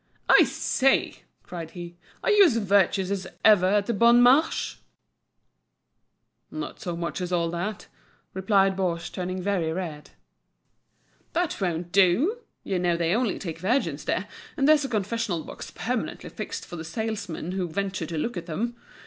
"I say," cried he, "are you as virtuous as ever at the Bon Marche?" "Not so much as all that," replied Baugé, turning very red. "That won't do! You know they only take virgins there, and there's a confessional box permanently fixed for the salesmen who venture to look at them.